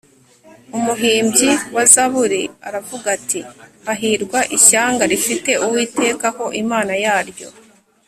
umuhimbyi wa zaburi aravuga ati hahirwa ishyanga rifite uwiteka ho imana yaryo